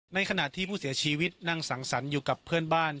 ในขณะที่ผู้เสียชีวิตนั่งสังสรรค์อยู่กับเพื่อนบ้าน